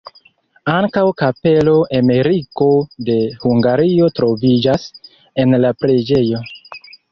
Ankaŭ kapelo Emeriko de Hungario troviĝas en la preĝejo.